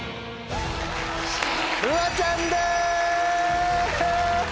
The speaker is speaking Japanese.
フワちゃんです！